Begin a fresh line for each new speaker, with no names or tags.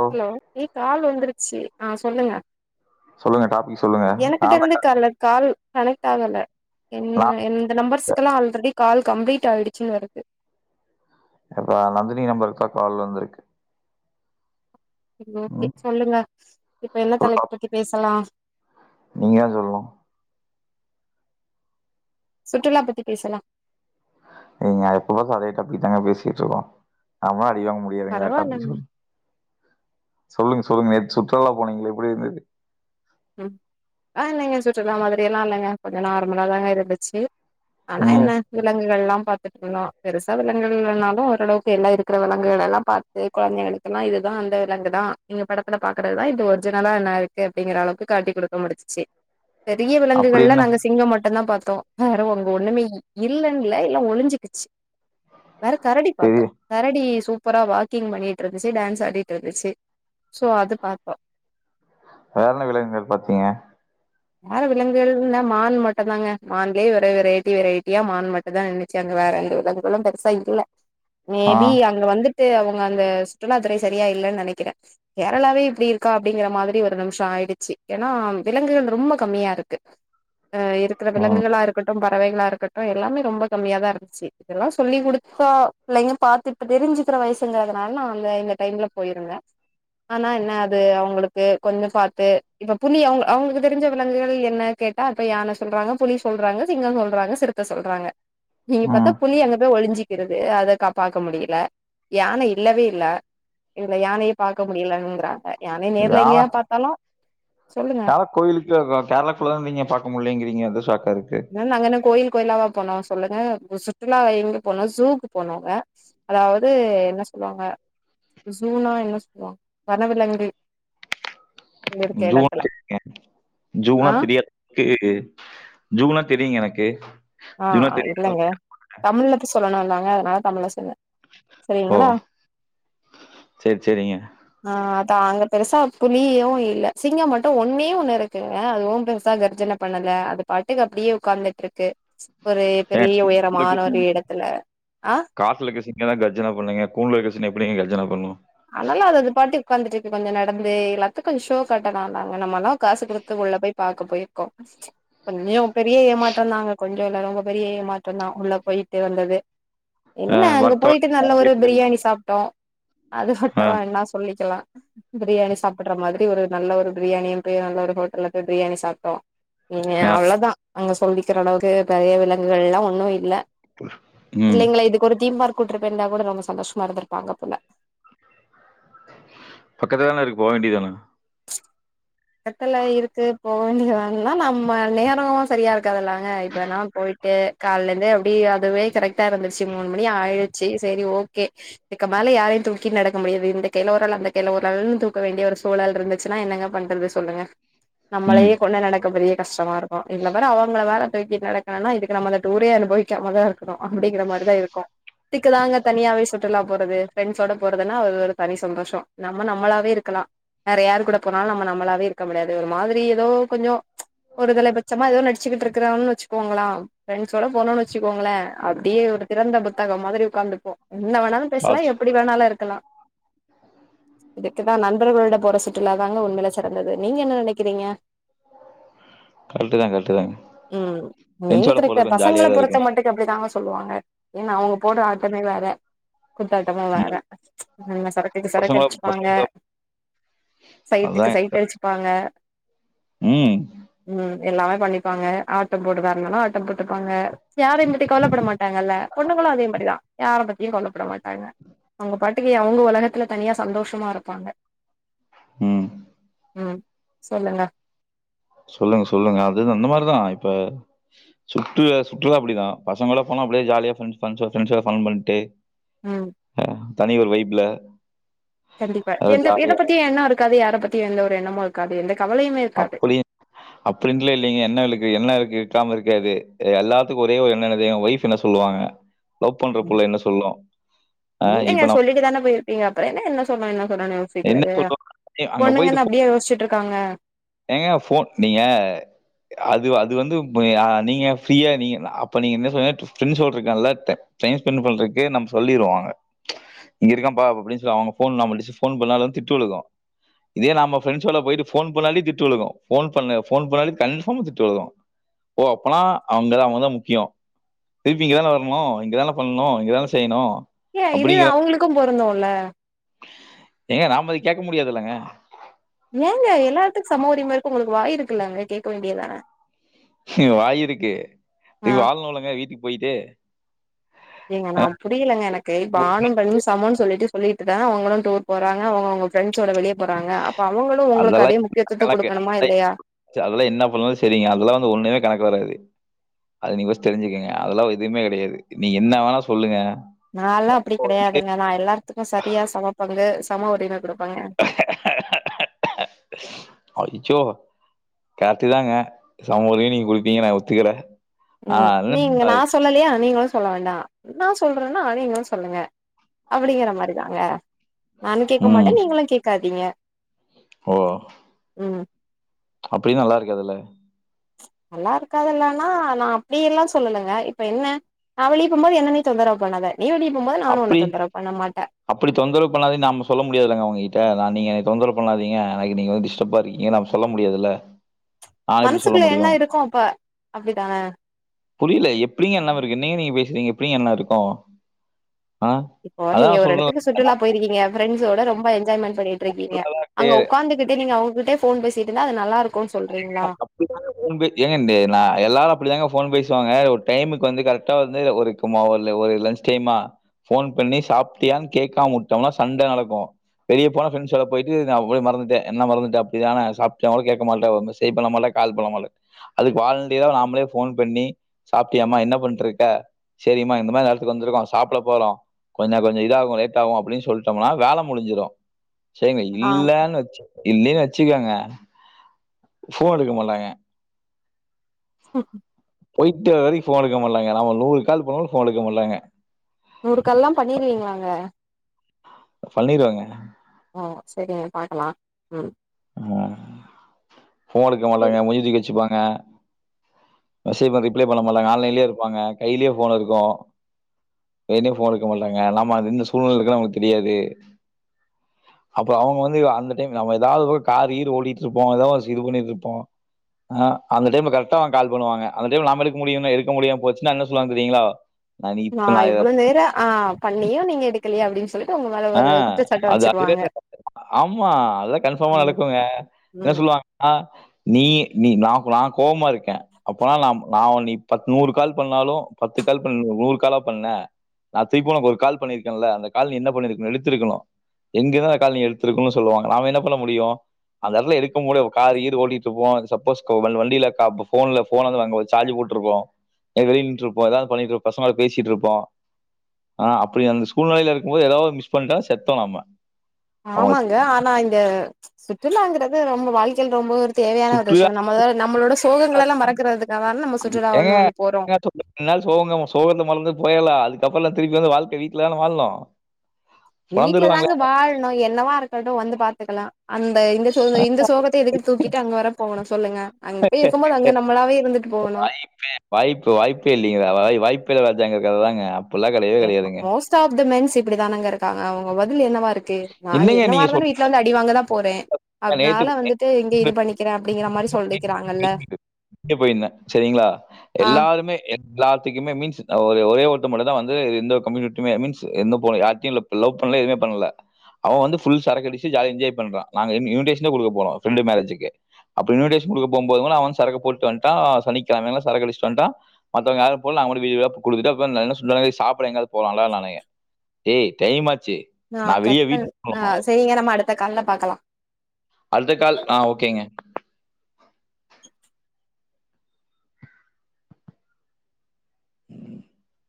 ஓ
hello நீ call வந்துருக் சீ ஆ சொல்லுங்க
சொல்லுங்க டாபிக் சொல்லுங்க
எனக்கிட்ட
நான் தான்
இருந்து
க
கால்ல கால் கணக் தேவை இல்ல என்
நான்
எந்த நம்பர்ஸ்கெல்லா ஆல்ரெடி கால் கம்ப்ளீட் ஆயிடுச்சுன் வருது
இப்ப நந்தினி நம்பருக்குதா கால் வந்துருக்கு
ஓகே சொல்லுங்க இப்ப என்ன தலைப்பு பத்தி பேசலா
நீங்கதா சொல்னு
சுற்றுலா பத்தி பேசலா
நீங்க எப்ப பாத்தாலு அதே டாபிக் தாங்க பேசிட்டு இருக்கோ ஆமர் ஐயோ முடியாதுங்க வேற டாபிக்
பரவாயில்லங்க
சொல்லு சொல்லுங்க சொல்லுங்க நேத்து சுற்றுலா போனீங்களே எப்டி இருந்துச்சு
ம் ஆ இல்லைங்க சுற்றுலா மாதிரி எல்லா இல்லங்க கொஞ்சோ நார்மலாதாங்க இருந்துச்சு ஆனா
ம்
என்ன விலங்குகள் எல்லாம் பாத்து இருந்தோ பெருசா விலங்குகள் இல்லனாலு ஓரளவுக்கு எல்லா இருக்குற விலங்குகள் எல்லா பாத்து கொழந்தைகளுக்கு எல்லா இதுதா அந்த விலங்குதா நீங்க படத்துல பாக்குறதுதா இது ஒரிஜினலா என்ன இருக்கு அப்டிங்குற அளவுக்கு காட்டி குடுக்க முடுச்சுச்சு பெரிய
அப்படி
விலங்குகள்ல
என்ன
நாங்க சிங்கம் மட்டுந்தா பாத் தோ வேற அங்க ஒண்ணுமே இல்லன்ல எல்லா ஒழிஞ்சுக்கிச்சு வேற கரடி பாத்தோ
பெரிய
கரடி சூ சூப்பரா வாக்கிங் பண்ணிட்டு இருந்துச்சு டேன்ஸ் ஆடிட்டு இருந்துச்சு சோ அது பாத்தோ
வேற என்ன விலங்கள் பாத்தீங்க
வேற விலங்குகள்னா மான் மட்டுந்தாங்க மான்லயே வேற வெரைட்டி வெரைட்டியா மான் மட்டுந்தா இருந்துச்சு அங்க வேற எந்த விலங்குகளும் பெருசா இல்ல
ஆ
மேபி அங்க வந்து அவங்க அந்த சுற்றுலாத்துறை சரியா இல்லைன்னு நினைக்கிறேன் கேரளாவே இப்படி இருக்கா அப்படிங்கிற மாதிரி ஒரு நிமிஷம் ஆயிடுச்சு ஏன்னா விலங்குகள் ரொம்ப கம்மியா இருக்கு அஹ இருக்கிற
ம்
விலங்குகளா இருக்கட்டும் பறவைகளா இருக்கட்டும் எல்லாமே ரொம்ப கம்மியாத தான் இருந்துச்சு இதெல்லாம் சொல்லி கொடுத்தா பிள்ளைங்க பாாரத்து இப்ப தெரிஞ்சுக்கிற வயசுங்கிறதுனால நான்ந்த இந்த டைம்ல போயிருந்தேன் ஆனா என்ன அது அவங்களுக்கு கொஞ்சம் பாரத்து இப்ப புலி அவங்களுக்கு தெரிஞ்ச விலங்குகள் என்ன கேட்டா இப்ப யான சொல்றாங்க புலி சொல்றாங்க சிங்கம் சொல்றாங்க சிறத்தை சொல்றாங்க நீங்க பத்தா
ம்
புலி அங்க போய் ஒழஞ்சு இது அதை கா பாக்க முடியல யானை இல்லவே இல்ல இல்ல யானையே பார்க்க முடியலங்கிறாங்க நானே நேரில்
யானை
எங்கேயா பார்த்தாலும் சொல்லுங்க
யானை கோயிலுக்கு கேரளாக்குள்ள தான் நீங்க பார்க முடியலேங்கிறீங்க அ
நாங்க என்ன அங்க கோயில் கோயிலாவா போனோம் சொல்லு சுற்றுலா எங்க போனோம் ஜூக்கு போனாங்க அதாவது என்ன சொல்லுவாங்க ஜூனா என்ன சொல்லுவாங்க வனவிலங்கு இருக்க எடத்துல
ஜூனா ஜூனா
ஆ
தெரியாதுக்கு ஜூகுனா தெரியூங்க எனக்கு
ஆஹ்
ஜூனா தெரியும்
இல்லைங்க தமிழ்லதத சொல்லணும்ல்லங்க நான் தமிழரசன்ங்க
ஓ சேரி சேரிங்க
ஆ அங்க பெருசா புலியூம் இல்ல சிங்கம் மட்டும் ஒன்னே ஒண்ணு இருக்குங்க அதுவும் பெருசா கர்ஜனனை பண்ணலை அது பாட்டுக்கு அப்படியே உட்கார்ந்துட்டு இருக்கு ஒரு
ஏன்
பெரிய உயரமான ஒரு இடத்துல ஆஹ்
இங்க தான் கஜான பண்ணீங்க போன எடத்துல எப்படிங்க கஜன பண்ணுவும்
அதலாம் இல்ல அது அது பாட்டுக்கு உட்காந்துட்டு இரு இப்போ கொஞ்சம் நடந்து எல்லாத்தையும் கொஞ்சம் ஷோ காட்டலாம்ந்தாங்க நம்மலாம் காசு கொடுத்து உள்ளே போய் பார்க்க போயிருக்கோம் கொஞ்சம் பெரிய ஏமாற்றம் தாங்க கொஞ்சம் இல்ல ரொம்ப பெரிய ஏமாற்றம் தான் உள்ள போயிட்டு வந்தது
ஆ
என்ன அங்க
வர்த்தவன்
போயிட்டு நல்ல ஒரு பிரியாணி சாப்பிட்டோம் அது
ஆ,
மட்டும் வேண்ணா சொல்லிக்கலாம் பிரியாணி சாப்பிடுற மாதிரி எப்டியும் ஒரு நல்ல ஒரு பிரியாணியும் போயி நல்ல ஒரு ஹோட்டல்ல போயி பிரியாணி சாப்பிட்டோம் உம் இங்க
ஆ,
அவ்ளோதான் அங்க சொல்லிக்கிற அளவுக்கு பெரிய விலங்குகள் எல்லாம் ஒன்னும் இல்லை
ம்.
பிள்ளைங்களே இதுக்கொரு தீம் பார்க் கூட்டிட்டு போய் இருந்தா கூட ரொம்ப சந்தோஷமா இருந்திருப்பாங்க போல
பக்கத்துல்ல தான இருக்கு போ வேண்டிதானே
பக்கல்ல இருக்கு போவேண்டிய தானென்னா நம்ம நேரமு சரியா இரு க்காதுல்லாங்க இப்ப நா போயி ட்டு கால்லந்தே அப்டி அதுவே கரெக்டா இருந்துச்சு மூணு மணி ஆயிடுச்சு சேரி ஓகே இதுக்கு மேல யாரையு தூக்கி நடக்க முடியாது இந்த கைல ஒரு ஆளு அந்த கைல ஒரு ஆளு தூக்க வேண்டிய ஒரு சூழல் இருந்துச்சுனா என்னங்க பண்றது சொல்லுங்க
ம்.
நம்மளயே கொன்ன நடக்க பெரிய கஷ்டமா இருக்கு இதுல வேற அவுங்கள வேற தூக்கிட் நடக்கனுனா இதுக்கு நம்ம டூரே அனுபவிக்காம தா இருக்கணு அப்புடிங்கிற மாரிதா இருக்கு இதுக்கு தாங்க தனியாவே சுற்றுலா போறது ஃப்ரண்ட்ஸோட போறதுனா அது ஒரு தனி சந்தோஷொ நம்ம நம்மளாவே இருக்கலா வேற யாரு கூட போனாலு நம்ம நம்மளாவே இரு க்க முடியாது ஒரு மாதிரி எதோ கொஞ்சொ ஒருதலைபட்சமா எதோ நடிச்சிகிட்ருக்கிறான் வச்சுக்கோங்களா ஃபிரண்ட்ஸோட போனோன் வச்சுக்கோங்களே அப்டியே ஒரு திறந்த புத்தகம் மாதிரி ஒக்காந்துப்போ என்ன வேணாலு பேசலா
பார்த்து
எப்டி வேணாலு இருக்கலா இதுக்குதா நண்பர்களோட போற சுற்றுலாதாங்க உண்மைல சிறந் தது நீங்க என்ன நெனைக்கிறீங்க?
கரெக்ட்டு தான், கரெக்ட்டு தாங்க.
ம் நீங்க
ஃப்ரெண்ட்ஸோட
கரக்ட
போறது கொஞ்சம் ஜாலியா
பசங்கள
தான்
பொறுத்த
இருக்கும்.
மட்டுக்கு அப்டிதாங்க சொல்லுவாங்க ஏன்னா அவுங்க போட்ற ஆட்டமே வேற குத்தாட்டமே வேற
ம்.
என்ன சரக்குக்கு
பசங்களோட
சரக்கடுச்சுப்பாங்க
பசங்களோட
சைட்டுக்கு சை
அதாங்க.
ப்பாங்க
ம்,
ம் எல்லாமே பண்ணிப்பாங்க ஆட்டம் போடுவாங்கனா ஆட்டம் போட்டுப்பாங்க யாரையு பத்தி கவலப்பட மாட்டாங்கல்ல பொண்ணுங்களு அதே மாரி தா யாரபத் தயு கவலப்பட மாட்டாங்க அவுங்க பாட்டுக்கு அவுங்க ஒலகத்துல தனியா சந்தோஷமா இருப்பாங்க
ம்
ம் சொல்லுங்க
சொல்லுங்க சொல்லுங்க அதுது அந்த மாரிதா இப்ப சுட்டு சுற்றுலா அப்புடிதா பசங்களா போனா அப்டியே ஜாலியா ஃப்ரெண்ட்ஸ் ஃப்ரெண்ட்ஸோ ஃப்ரெண்ட்ஸோட ஃபன் பண்ட்டு
ம்
தனி ஒரு வைப்ல
கண்டிப்பா
அது
எந்த எத
ஜாலியா
பத்தியு எண்ணொ இருக்காது யார பத் தியு ஒரு எண்ணமு இருக்காது எந்த கவலையுமே இருக்காது
அப்புடியெ அப்டின்லெ இல்லெங்க என்ன விழுக்கு என்ன இருக்கு க்காம இருக்காது எல்லாத்துக்கு ஒரே ஒரு எண்ண என்ன தெரிமா ஒய்ஃப் என்ன சொல்லுவாங்க லவ் பண்ற புள்ள என்ன சொல்லு ஆ
என்னங்க
இப்ப நம்
சொல்லிட்டு தானே போயிருப்பீங்க அப்பறொ என்ன என்ன சொன்னா என்ன சொன்னோன
என்ன
யோசிக்கிறது
சொல்லுவாங்க ஏ அங்க போயிட்டு
பொண்ணுங்கன்னு
ஃபோ
அப்டியே யோசுச்சுட்ரு க்காங்க
ஏங்க ஃபோன் நீங்க அது வ அது வந்து யா நீங்க ஃப்ரீயா நீங்க அப்ப நீங்க என்ன சொன்ன ஃப்ரெண்ட்ஸோட இருக்கான்லத்தெ டைம் ஸபென் பண்றக்கு நம்ம சொல்லிருவோங்க இங்க இருக்காம்பா அப அப்டின் சொலி அவுங்க ஃபோன் நம்ம டிஸிஸ் ஃபோன் பண்ணாதன் திட்டு விழுகு இதே நாம்ம ஃப்ரெண்ட்ஸோட போயிட்டு ஃபோன் பண்ணாட்டி தி சொல்லுனு ஃபோன் பண்ண ஃபோன் பண்ணாலு கன்ஃபாம் திட்டுழுகு ஓ அப்பன்னா அவுங்கதா அவுங்கதா முக்கியமோ திருப்பி இங்கதான வர்னு இங்கதான பண்ணு இங்கதான செய்னு
ஏ இதுவே அவங்களுக்கு பொருந்து ல்ல
ஏங்க நாம அத கேக்க முடியாதுலங்க
ஏங்க எல்லாத்துக் சம உரிம இருக்கு உங்களுக்கு வாய் இருக்குலங்க கேக்க வேண்டியதான
வாயிருக்கு
ஆ
இப்ப வாழணுலங்க வீட்டுக் போயிட்டு
ஏங்க நா
ஆ,
புரிலங்க எனக்கு இப்ப ஆணும் பெண்ணு சமோன் சொல்லிட்டு சொல்லி ட்டுதா அவங்களு டூர் போறாங்க அவங்க அவங்க ஃப்ரெண்ஸ்ஸோட வெளிய போறாங்க அப்ப அவங்களு
[inaudible]
உங்களுக்கு
அதெல்லா
அதே முக்கியத்துவத்த குடுக்கணுமா இல்லையா
என்ன பண்ணாலு செரிங்க அதெல்லா வந்து ஒண்ணுமே கணக்கு வராது அது நீங் ஃபஸ்ட் தெருஞ்சுக்கங்க அதெல்லா எதுமே கெடையாது நீ என்ன வேணா சொல்லுங்க
நாலா அப்டி கெடையாதுங்க நா எல்லாத்துக்கு சரியா சமப்பங்க சமா வரைனா கூடோ ப
ச்சோ கரெட்டு தாங்க சம உரிம நீங்க குடுப்பீங்கன் நா ஒத்துக்குற
ம் நீங்க நா சொல்லலியா நீங்க வந்துஸ் சொல்ல வேண்டா நா சொல்றன்னா அதே நீங்களு சொல்லுங்க அப்டிங்குற மாரிதாங்க நானு கேக்க
ம்
மாட்ட நீங்களு கேக்காதீங்க
ஓ
ம்
அப்டி நல்லாருக்காதுல
நல்லா இருக்காதுல்லானா நா அப்டி எல்லா சொல்லலங்க இப்ப என்ன நா வெளிய போம் போது என்ன நீ தொந்ரவு பண்ணாத நீ வெளிய போம்போது நானு உன்ன
அப்டி
தொந்தரவு பண்ண மாட்டே
அப்டி தொந்தரவு பண்ணாதின் நாம சொல்ல முடியாதுங்க அவுங்ககிட்ட நா நீங்க தொந்தரவு பண்ணாதீங்க எனக்கு நீங்க வந்து டிஸ்டப் ஆ இருக்கீங்க நம்ம சொல்ல முடியாதுல்ல நான் எப்படி சொல்ல
மனசுக்குள்ள என்ன
முடியும்?
இருக்கோ அப்ப அப்டிதான
புரியில எப்டிங்க என்னாம இருக்கு என்னங்க நீங்க பேசுறீங்க எப்டிங்க என்ன இருக்கு
இப்போ நீங்க ஒரு எடத்துக்கு சுற்றுலா போயிருக்கீங்க ஃப்ரெண்ஸ்ஸோட ரொம்ப என்ஜாய் மெண்ட் பண்ணிட்டு இருக்கீங்க அங்க உக்காந்துகிட்டே நீங்க அவங்ககிட்ட ஃபோன் பேசிட்டு இருந்தா அது நல்லாருக்
[inaudible] ஏங்க இந்து நா எல்லாரு அப்டித்தாங்க ஃபோன் பேஸ் சாப்டாங்க ஒரு டைமுக்கு வந்து கரெக்டா வந்து ஒருக்கு மோ ஒரு லன்ச் டைமா ஃபோன் பண்ணி சாப்டியான் கேக்காம உட்டோனா சண்ட நடக்கு வெளிய போனா ஃப்ரெண்ஸ்ஸோட போயிட்டு நா அவளையே மறந்துட்ட என்ன மறந்துட்ட அப்டிதான சாப்டியானு கூட கேக்க மாட் மெசேஜ் பண்ண முடில கால் பண்ண முடில அதுக்கு வாலண்டிய நாமளே போன் பண்ணி சாப்பிட்டியாம என்ன பண்ட்டு இருக்க சரிம்மா இந்த மாரி நேரத்துக்கு வந்து இருக்கோம் சாப்பிட போறோம் கொஞ்சம் கொஞ்சம் இதாகும் லேட் ஆகும் அப்படின்னு சொல்லிட்டோம்னா வேல முடிஞ்சிடும் சரிங்க
ஆ
இல்லன்னு வச்சி இல்லன்னு வச்சுக்கோங்க போன் எடுக்கமாட்டாங்க
[inaudible]
போயிட்டு வர வரைக்கும் போன் எடுக்க முடிலங்க நம்ம நூறு கால் போண்ணாலும் போன் எடுக்க முடிலங்க
நூறு கால்லாம் பண்ணிருவீங்களாங்க
பண்ணிருவேங்க
ஆ செரிங்க பாக்கலாம்
ஆ போன் எடுக்க மாட்டாங்க மூஞ்ச தூக்கி வச்சுப்பாங் ஆ மெஸ்ஸேஜ் பாத்து ரிப்ளே பன்ன மாட்டாங்க ஆன்லைன்லே இருப்பாங்க கைலே ஃபோனு இருக்கும் வேனே ஃபோன் எடுக்க மாட்டாங்க நம்ம இந்த சூல்நிலயில இருக்கோனு அவங்களுக்கு தெரியாது அப்புறம் அவுங்க வந்து அந்த டைம் அவங்க எதாவது காரு கீரு ஓடிட்டு இருப்போம் எதா ஒரு இது பண்ணிட்டு இருப்போம் ஆ அந்த டைம் கரெட்டா அவங்க கால் பண்ணுவாங்க அந்த டைம் நாம எடுக்க முடியும்னு எடுக்க முடியாம போச்சின்னா என்ன சொல்லுவாங்கனு தெரியீங்களா
நான் இவ்ளோ நேர ஆ பண்ணியும் நீங்க எடுக்கலையா அப்படின்னு சொல்லிட்டு உங்க மேல
ஆ
ஒரு குற்றச்சாட்ட
அது அதுவே
வச்சிருவாங்க
ஆமா அதல்லாம் கன்ஃபார்மா
ம்
நடக்குங்க என்ன
ம்
சொல்லுவாங்கா ஆ நீ நீ நான் நா கோவமா இருக்கேன் அப்பனா நா நா ஒன்னி பத் நூறு கால் பண்ணாலும் பத்து கால் பண் நூறு காலா பண்ண நான் திருப்பிம் ஒனக்கு ஒரு கால் பண்ணிருக்கேன் இல்ல அந்த கால் நீ என்ன பண்ணிரு எடுத்து இருக்கணும் எங்க தான் ஒரு கால் நீ எடுத்துருக்கணும் சொல்லுவாங்க நம்ம என்ன பண்ண முடியும் அந்த எடத்துல எடுக்க முடியா கார் கீறு ஓட்டிட்டு இருப்போம் சப்போஸ் கோ வ வண்டில க போ போன்ல போன அந்த அங்க ஒரு சார்ஜ் போட்டு இருப்போம் எங்க வெளில நின்னுட்டு இருப்போம் எதா பண்ணிட்டு இருப்போம் பசங்க கூட பேசிட்டு இருப்போம். ஆனா அப்படி அந்த சூழ்நிலைல இருக்கும் மோது எதா ஒரு மிஸ் பண்ட்டா செத்தோ நாம்ம
ஆமாங்க ஆனா இந்த சுற்றுலாங்கிறது ரொம்ப வாழ் க்கைல ரொம்ப ஒரு தேவையான ஒரு
சுற்றி
விஷயம் நம்மள நம்மளோட சோகங்களலாம் மறக்கறதுக்காக தான நம்ம சுற்றுலா
ஏங்க
ஒண்ணு ஒண்ணு போறோம்
ஏங்க சொல்லு ரெண்டு கப்பலல்லாம் திருப்பி வந்து வாழ்க்க வீட்லதான வாழணும்
வீட்ல
பொழந்துருவாங்களே
தாங்க வாழணும் எல்ல நவா இரு றது வந்து பாத்துக்கலாம் அந்த இந்த சோ இந்த சோகத்தை எதுக்கு தூக்கிட்டு அங்க வர போகணும் சொல்லுங்க அங்க போயி இருக்கும்போது அங்க நம்மளாவே இருந்துட்டு போகணும்
பிராஜாங்க கததாங்க அப்
மோஸ்ட் ஆஃப் த மென்ஸ் இப்படித்தானங்க இருக்காங்க அவுங் ஓ பதில் என்னவா இருக்கு நான்
என்னங்க
என்னவா
நீங்க
இருந்தாலும் வீட்ல வந்து அடி வாங்கதான் போறேன்
சொல்றீங்க நேத்து
அதனால வந்துட்டு இங்க இது பண்ணிக்கிறேன் அப்படிங்கிற மாரி சொல்லிக்கிறாங்க இல்ல
வெளிய போயிருந்தேன்.
ஆ
கிலாத்துக்குமே மீன்ஸ் நா ஒரே ஒரே ஒருத்த மட்டுதான் வந்து எந்த கம்யூனிட்டியுமே மீன்ஸ் எந்த போனு யார்ட்டையும் இல்ல லவ் பண்ணல எதுமே பண்ணல அவ வந்து ஃபுல் சரக்கடுச்சு ஜாலியா என்ஜாய் பண்றா நாங்க இன்விடேஷனே குடுக்க போரோ ஃபரண்டு மேரேஜ்கு அப்போ இன்விடேஷன் குடுக்க போகும்போதும் அவ சரக்க போட்டு வந்டான் ஆ சனிக்கிழமையு சரக்கடுச்சுட்டு வந்டா மத்தவங்க யாரு போல நாங்க மட்டு வீடு வீடா குடுத்துட்டு அப்றோ என்ன சொன்னே சாப்ட எங்காச் போல நல்லா நினைன் ஏ டைம் ஆச் சி நான் வெளிய
பல் ஆ செரிங்க நம்ம அடுத் அ கண்ண பாக்கலா
அடுத்த கால் ஆ ஓகேங்க உம் [inaudible]